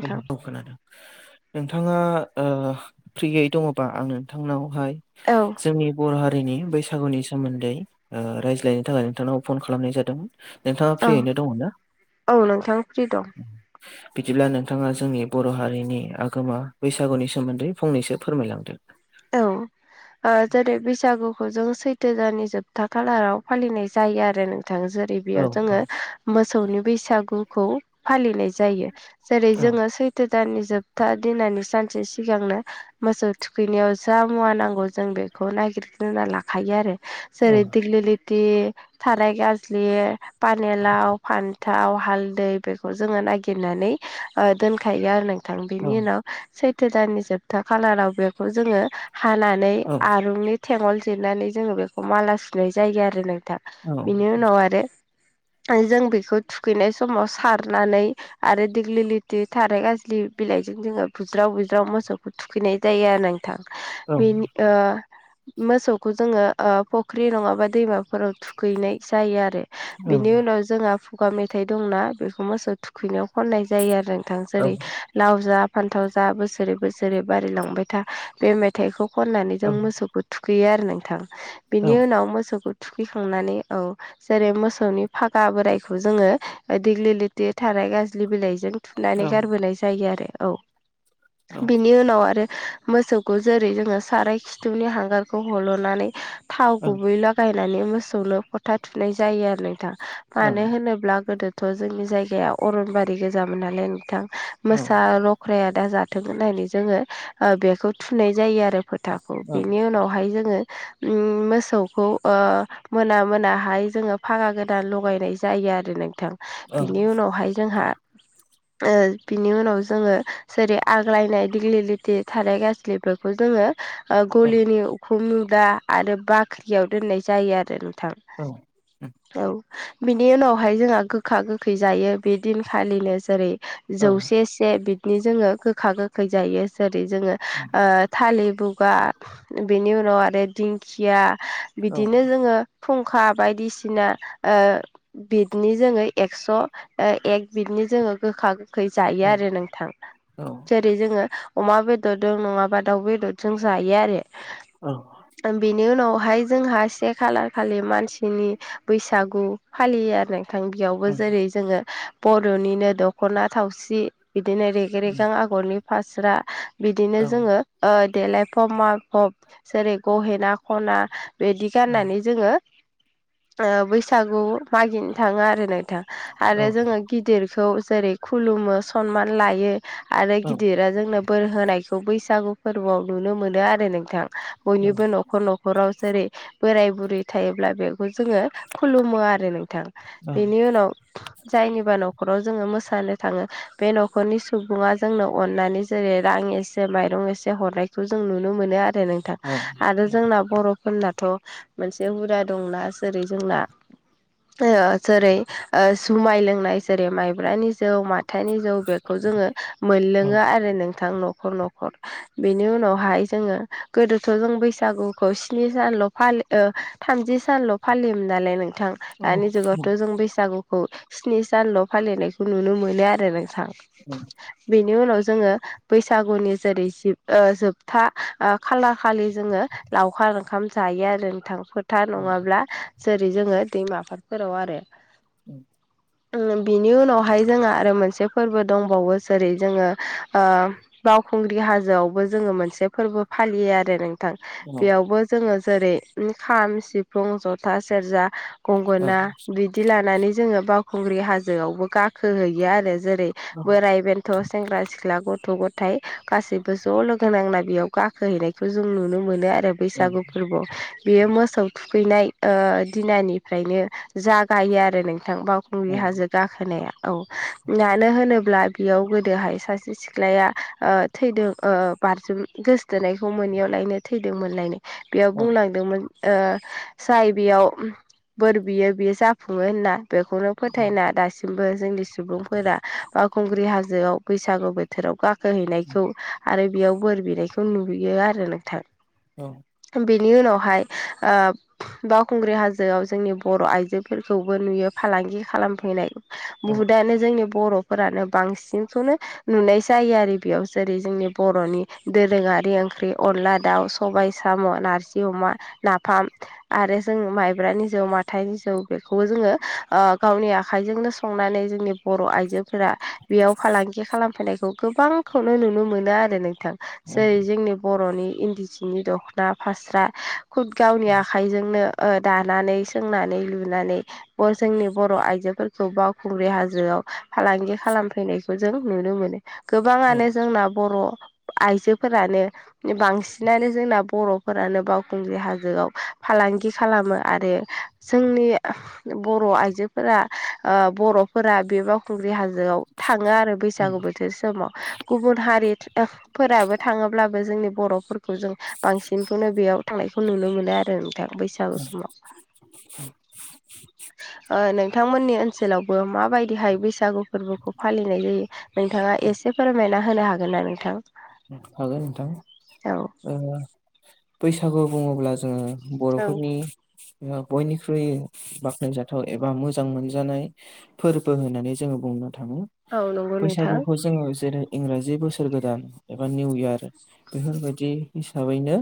औ [unintelligible] खोनदों नोंथाङा फ्रियै दङबा आं नोंथांनावहाय औ जोंनि बर' हारिनि बैसागुनि सोमोन्दै ओ रायज्लायनो थाखाय नोंथांनाव फन खालामनाय जादों। नोंथाङा औ फ्रियैनो दङना औ नोंथां फ्रि दं बिदिब्ला नों थाङा जोंनि बर' हारिनि आगोमा बैसागुनि सोमोन्दै फंनैसो फोरमायलांदों। औ ओ जेरै बैसागुखौ जों सैथो जानि जोबथा खालाराव फालिनाय जायो आरो नोंथां जेरै औ बेयाव जोङो मोसौनि बैसागुखौ फालिनाय जायो जेरै औ जोङो सै थो दाननि जोबथा दिनानि सानसे सिगांनो मोसौ थुखैनायाव जा मुवा नांगौ जों बेखौ नागिरग्रोना लाखायो आरो औ जेरै दिगलिटि थालाइ गाजलि पानेलाव, फान्थाव, हालदै बेखौ जोङो नागिरनानै ओ दोनखायो आरो नोंथां औ बेनि उनाव सैथो दाननि जोबथा खालाराव बेखौ जोङो हानानै औ आरुंनि थेंअल जिरनानै जोङो बेखौ माला सुनाय जायो आरो नोंथां। बिनि उनाव आरो जों बेखौ थुखैनाय समाव सारनानै आरो देग्लि लिति थाराय गाज्लि बिलाइजों जोङो बुज्राव बुज्राव मोसौखौ थुखैनाय जायो आरो नोंथां। औ बेनि ओ मोसौखौ जोङो ओ फुख्रि नङाबा दैमा फोराव थुखैनाय जायो आरो औ बेनि उनाव जोंहा फुगा मेथाइ दंना बेखौ मोसौ थु खुैनायाव खननाय जायो आरो नोंथां औ जेरै लाव जा फान्थाव जा बोसोरै बोसोरै बारलांबाय था बे मे मेथाइखौ खननानै जों मोसौखौ थुखैयो आरो नोंथां बिनि औ उनाव मोसौखौ थुखैखांनानै औ जेरै मोसौनि फागा बोरायखौ जोङो देग्लि लिति थानाय गाज्लि बिलाइजों औ थुनानै गारबोनाय जायो आरो औ बिनि उनाव आरो मोसौ खौ जेरै जोङो साराय खिथुनि हांगारखौ हल'नानै थाव औ गुबै ला गायनानै मोसौनो फथा थुनाय जायो आरो नोंथां मानो होनोब्ला गोदो थ' जोंनि जायगाया अरनबारि गोजामोन नालाय नोंथां मोसा ल' ख्राया दा जाथों होननानै जोङो ओ बेखौ थुनाय जायो आरो फोथाखौ बिनि उनावहाय जोङो उम मोसौखौ ओ मोना मोनाहाय जोङो फागा गोदान लगायनाय जायो आरो नोंथां। औ बिनि उनावहाय जोंहा ओ बिनि उनाव जोङो जेरै आग्लायनाय दिग्लि लिथि थानाय गा ज्लिफोरखौ जोङो ओ गलिनि खुम मुदा आरो बाख्रियाव दोननाय जायो आरो नोंथां। औ औ बिनि उनावहाय जोंहा गोखा गोखै जायो बे दिनखालिनो जेरै औ जौसे से बिदिनो जोङो गोखा गोखै जायो जेरै जोङो उ ओ थालिर बुगा बेनि उनाव आरो दिंखिया बिदिनो औ जोङो खुंखा बायदिसिना ओ बिदनि जोङो एक्स' ओ एक बिदनि जोङो गोखा गोखै जायो आरो नोंथां जेरै जोङो अमा बेदरदों नङा बा दाउ बेदरजों जायो आरो औ बेनि उनावहाय जोंहा से खालार खालि मानसिनि बैसागु फालियो आरो थां बियावबो औ जेरै जोङो बर'निनो दख'ना थावसि बिदिनो रे गे औ रेगां आगरनि फास्रा बिदिनो औ जोङो ओ देलायफब माफब जेरै गहेना खना बिदि औ गाननानै जोङो ओ बैसागु मागिनो थाङो आरो नोंथां। औ आरो जोङो गिदिरखौ जेरै खुलुमो सनमान लायो आरो औ गिदिरा जोंनो बोर होनायखौ बैसागु फोरबोआव नुनो मोनो आरो नोंथां। औ बयनिबो न'खर न'खराव जेरै बोराय बुरै थायोब्ला बेखौ जोङो खुलुमो आरो नोंथां बेनि उनाव जायनिबा न'खराव जोङो मोसानो थाङो बे न'खरनि सुबुङा जोंनो अननानै जेरै रां ए एसे माइरं एसे हरनायखौ जों नुनो मोनो आरो नोंथां। औ आरो जोंना बर'फोरनाथ' मोनसे हुदा दंना जेरै जोंना ओ जेरै ओ जुमाय लोंनाय जेरै माइब्रानि जौ मा थानि जौ बेखौ जोङो मोनलोङो आरो नोंथां न'खर न'खर बेनि उनावहाय जोङो गोदोथ' जों बैसागुखौ स्नि सानल' फालि ओ थामजि सानल' फालियोमोन नालाय नोंथां दानि जुगावथ' जों बैसागुखौ स्नि सानल' फालिनायखौ नुनो मोनो आरो नोंथां। उम बेनि उनाव जोङो बैसागुनि जेरै जिब ओ जोबथा आ खालार खालि जोङो लावखार ओंखाम जायो आरो नोंथां फो थार नङाब्ला जेरै जोङो दैमा आफादफोराव आरो [inaudible] बिनि उनावहाय जोंहा आरो मोनसे फोरबो दंबावो जेरै जोङो ओ बावखुंग्रि हाजोआवबो जोङो मोनसे फोरबो फालियो आरो नोंथां बेयावबो जोङो जेरै खाम सिफुं जथा सेरजा गंगोना बि दि लानानै जोङो बावखुंग्रि हाजोआवबो गाखो हैैयो आरो जेरै बोराय बेन गथ' सेंग्रा सिख्ला गथ' गथाय गासैबो ज' लोगो नांना बेयाव गाखोहैनायखौ जों नुनो मोनो आरो बैसागु फोरबोआव बेयो मोसौ थुखैनाय ओ दिनानिफ्रायनो जागायो आरो नोंथां बाव खुंग्रि हाजो गाखोनाया औ मानो होनोब्ला बेयाव गोदोहाय सासे सिख्लाया ओ थैदों ओ बारजुम गोसथोनायखौ मोनोैयावलायनो थैदोंमोनलायनो बेयाव बुंलांदोंमोन। ओ जाय बेयाव बोर बियो बेयो जाफुङो होनना बेखौनो फोथायना दासिमबो जोंनि सुबुंफोरा बावखुंग्रि हाजोआव बैसागु बोथोराव गा खो हैनायखौ आरो बेयाव बोर बिनायखौ नुयो आरो नोंथां। औ। बेनि उनावहाय ओ बावखुंग्रि हाजोआव जोंनि बर' आइजोफोरखौबो नुयो फालांगि खालामफैनाय। बुहुदानो जोंनि बर'फोरानो बांसिनखौनो नुनाय जायो आरो बेयाव जेरै जोंनि बर'नि दोरोङारि ओंख्रि अनला दाउ सबाय साम' नारजि अमा। नाफाम। आरो जों माइब्रानि जौ माथाइनि जौ बेखौबो जोङो गावनि आखायजोंनो संनानै जोंनि बर' आइजो फोरा बेयाव फालांगि खालामफैनायखौ गोबांखौनो नुनो मोनो आरो नोंथां। जेरै जोंनि बर'नि इन्दि सिनि दख'ना, फास्रा खुद गावनि आखाइजोंनो दानानै सोंनानै लुनानै जोंनि बर' आइजोफोरखौ बावखुंग्रि हाजोआव फालांगि खालामफैनायखौ जों नुनो मोनो। गोबाङानो जोंना बर' आइजोफोरानो बांसिनानो जोंना बर'फोरानो बावखुंग्रि हाजोआव फालांगि खालामो आरो। जोंनि बर' आइजोफोरा ओ बर'फोरा बे बावखुंग्रि हा जोआव थाङो आरो बैसागु बोथोर समाव गुबुन हारि फोराबो थाङोब्लाबो जोंनि बर'फोरखौ जों बांसिनखौनो बेयाव थांनाय खौ नुनो मोनो आरो नोंथां बैसागु समाव। [unintelligible] [inaudible] ओ नोंथांमोननि ओनसोलावबो माबायदिहाय बैसागु फोरबोखौ फालिनाय जायो नोंथाङा एसे फोरमायना होनो हागोन ना नोंथां? हागोन नोंथां औ ओ बैसागु बुङोब्ला जोङो औ बर'फोरनि बयनिख्रुइ बाख्नायजाथाव एबा मोजां मोनजानाय। फोरबो होननानै जोङो बुंनो थाङो औ नंगौ नोंथां बैसागुखौ जोङो जेरै इंराजि बोसोर गोदान एबा निउ इयार बेफोरबायदि हिसाबैनो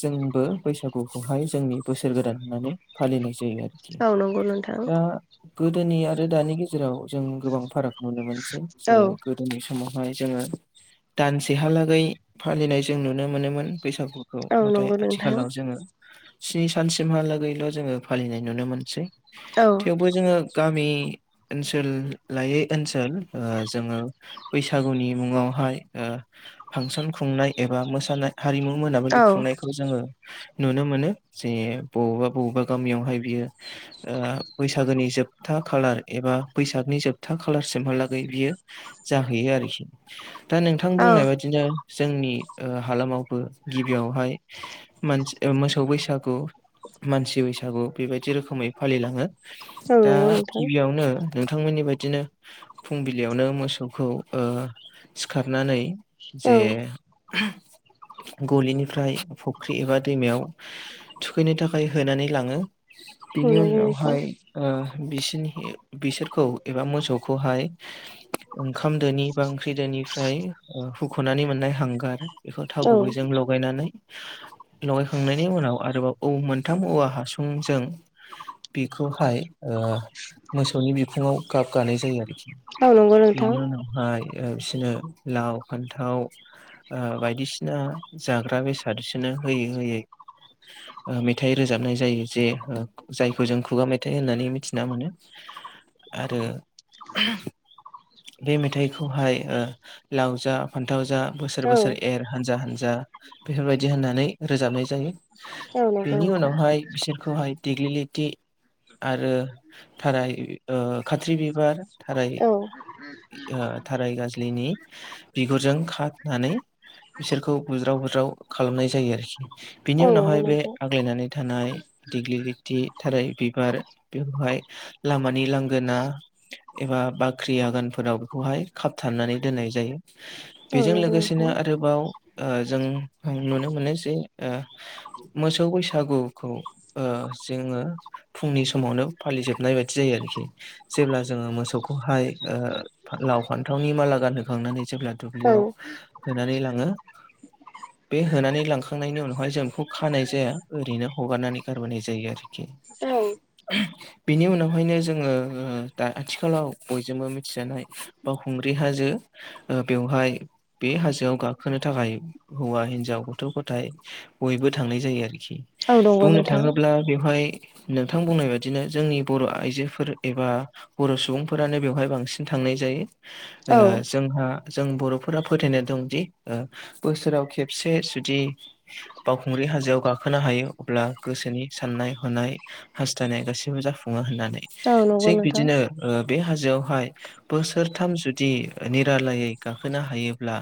जोंबो बैसागुखौहाय जोंनि बोसोर गोदान होननानै फालिनाय जायो आरो। औ नंगौ नोंथां दा गोदोनि आरो दानि गेजेराव जों गोबां फाराग नुनो मोनसै औ जे गोदोनि समावहाय जोङो। दानसेहालागै फालिनाय जों नुनो मोनोमोन बैसागुखौ औ नाथाय नंगौ नोंथां आथिखालाव जोङो स्नि सानसिमहालागैल' जोङो फालिनाय नुनो मोनसै। औ। थेवबो जोङो गामि ओनसोल लायै ओनसोल ओ जोङो बैसागुनि मुङावहाय ओ फांसन खुंनाय एबा मोसानाय हारिमु मोनाबिलि औ खुंनाय खौ जोङो नुनो मोनो। जे बबावबा बबेबा गामियावहाय बियो ओ बैसागोनि जोबथा खालार एबा बैसागनि जोबथा खालारसिमहालागै बियो जाहैयो आरोखि। दा नोंथां औ बुंनाय बाददिनो जोंनि ओ हालामावबो गिबियावहाय मोसौ बैसागु मानसि बैसागु बेबायदि रोखोमै फालिलाङो। दा नंगौ नोंथां गिबियावनो नोंथांमोननि बायदिनो फुंबिलियावनो मोसौखौ ओ सिखारनानै औ जे गलिनिफ्राय फ'ख्रि एबा दैमायाव थुखैनो थाखाय होनानै लाङो। औ बेनि उनावहाय ओ बिसनि बिसोरखौ एबा मोसौखौहाय ओंखाम दोनि बा ओंख्रि दोनि फ्राय हुख'नानै मोननाय हांगार बेखौ थाव गुबैजों लगायनानै लगायखांनायनि उनाव आरोबाव औ मोनथाम औवा हासुंजों बेखौहाय ओ मोसौनि बिखुआव गाब गानाय जायो आरोखि नंगौ नोंथां बेनि उनावहाय बिसोरनो लाव फान्थाव बायदिसिना जाग्रा बेसादसोनो होयै होयै मेथाइ रोजाबनाय जायो जे जायखौ जों खुगा मेथ थाइ होननानै मिथिना मोनो। आरो बे मेथाइखौहाय ओ लाव जा फान्थाव जा बोसोर औ बोसोर एर हानजा हानजा बेफोरबायदि होननानै रोजाबनाय जायो औ नंगौ बेनि नोंथां उनावहाय बिसोरखौहाय देग्लिलिथि आरो थाराय ओ खाथ्रि बिबार थाराय औ थाराय गाजलिनि बिगुरजों खानानै बिसोरखौ बुज्राव बुज्राव खालामनाय जायो आरोखि। बिनि औ नंगौ नोंथां औ नंगौ उनावहाय बे नोंथां आग्लायनानै थानाय दिग्लिलिथि थारै बिबार बेखौहाय लामानि लांगोना एबा बाख्रि आगानफोराव बेखौहाय खाबथानानै दोननाय जायो औ बेजों नंगौ लोगोसेनो नोंथां आरो गोबाव ओ जों नुनो मोनो जे ओ मोसौ बैसागुखौ ओ जोङो फुंनि समावनो फालिजोबनाय बायदि जायो आरोखि जेब्ला जोङो मोसौखौहाय ओ लाव फान्थावनि माला गानहोखांनानै जेब्ला औ दुब्लियाव होनानै लाङो बे होनानै लांखांनायनि उनावहाय जों बेखौ खानाय जाया ओरैनो हगारनानै गारबोनाय जायो आरो खि बिनि उनावहायनो जोङो दा आथिखालाव बयजोंबो मिथिजानाय बावखुंग्रि हाजो ओ बेवहाय बे हाजोआव गाखोनो थाखाय हौवा हिन्जाव गथ' गथाय बयबो थांनाय जायो आरोखि औ नंगौ बुंनो नोंथां थाङोब्ला बेवहाय नोंथां बुंनाय बादिनो जोंनि बर' आइजोफोर एबा बर' सुबुंफोरानो बेवहाय बांसिन थांनाय औ जायो। जोंहा जों बर'फोरा फोथायनाय दंदि बोसोराव खेबसे जुदि बावखुंग्रि हाजोआव गाखोनो हायो अब्ला गोसोनि साननाय हनाय हास्थायनाय गासैबो जाफुङो होननानै औ नंगौ थिग नोंथां बिदिनो ओ बे हाजोआवहाय बोसोरथाम जुदि निरालायै गाखोनो हायोब्ला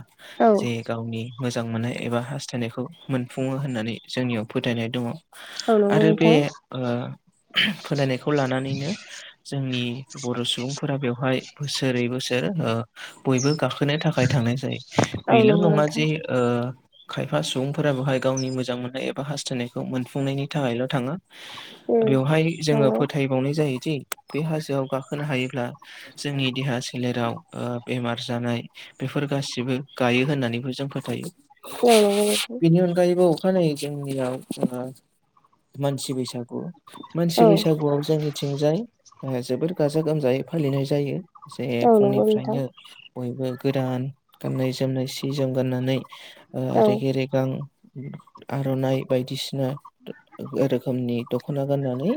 औ जे गावनि मोजां मोननाय एबा हास्थायनायखौ मोनफुङो होननानै जोंनियाव फोथायनाय दङ। औ नंगौ आरो बे नोंथां ओ फोथायनायखौ लानानैनो जोंनि बर' सुबुंफोरा बेवहाय बोसोरै बोसोर ओ बयबो गाखोनो थाखाय थांनाय जायो औ बेल' नंगौ नङा नोंथां जे ओ खायफा सुबुंफोरा बेहाय गावनि मोजां मोननाय एबा हास्थायनायखौ मोनफुंनायनि थाखायल' थाङा उम बेवहाय जोङो नंगौ फोथायबावनाय जायोदि बे हाजोआव गाखोनो हायोब्ला जोंनि देहा सोलेराव ओ बेमार जानाय बेफोर गासिबो गायो होननानैबो जों फोथायो। औ नंगौ नोंथां बिदि उनगायैबो अखानायै जोंनियाव मानसि बैसागु मानसि औ बैसागुआव जोंनि थिंजाय जोबोर गाजा गोमजायै फालिनाय जायो जे औ नंगौ नोंथां फुंनिफ्रायनो बयबो गोदान गाननाय जोमनाय सि जोम गाननानै ओ औ रेगे रेगां आर'नाइ बायदिसिना रोखोमनि दख'ना गाननानै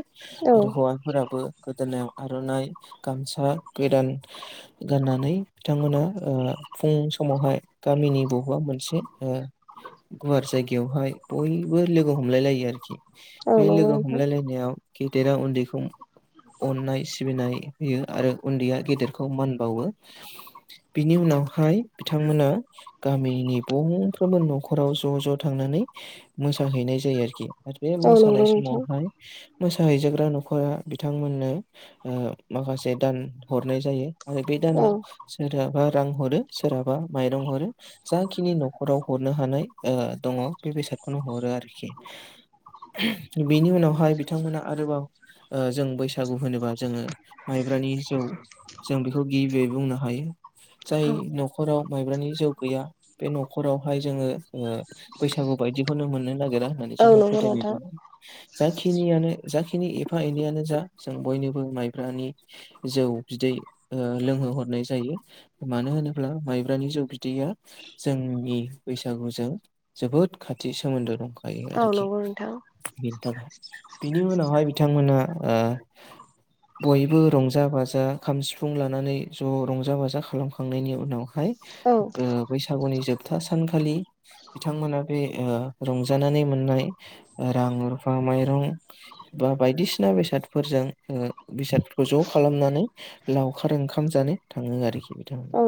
औ आरो हौवाफोराबो गोदोनायाव आर'नाइ गामसा गोदान गाननानै बिथांमोना फुं समावहाय गामिनि बबबा मोनसे ओ गुवार जायगायावहाय बयबो लोगो हमलाय लायो आरोखि औ बे नंगौ लोगो नोंथां हमलायलायनायाव गेदेरा उन्दैखौ अन्नाय सिबिनाय होयो आरो उन्दैया गेदेरखौ मान बावो बिनि उनावहाय बिथांमोना गामिनि बंफ्रोमबो न'खराव ज' ज' थांनानै मोसाहैनाय जायो आरोखि आरो बे औ नंगौ नोंथां औ नंगौ नोंथां औ मोसानाय नंगौ समावहाय मोसाहैजाग्रा न'खरा बिथांमोननो माखासे दान हरनाय जायो आरो बे दाना सोरहाबा रां हरो सोरहाबा माइरं हरो जाखिनि न'खराव हरनो हानाय दङ बे बेसादखौनो हरो आरोखि बिनि उनावहाय बिथांमोना आरोबाव जों बैसागु होनोबा जोङो माइब्रानि जौ जों बेखौ गिबियै बुंनो हायो जाय न'खराव माइब्रानि जौ गैया बे न'खरावहाय जोङो बैसागु बायदिखौनो मोननो नागिरा होननानै जोंहा फोथायनायदोंमोन जाखिनियानो जाखिनि एफा एनैयानो जा जों बयनोबो माइब्रानि जौ बिदै लोंहोहरनाय जायो मानो होनोब्ला माइब्रानि जौ बिदैया जोंनि बैसागुजों जोबोद खाथि सोमोन्दो दं औ नंगौ नोंथां बेनि थाखाय बिनि उनावहाय बिथांमोना ओ बयबो रंजा बाजा खाम सिफुं लानानै ज' रंजा रंजा बाजा खालामखांनायनि उनावहाय औ ओ बैसागुनि जोबथा सानखालि बिथांमोना बे रंजानानै मोननाय रां रुफा माइरं बा बायदिसिना बेसादफोरजों ओ बेसादफोरखौ ज' खालामनानै लावखार ओंखाम जानो थाङो आरोखि औ बिथांमोन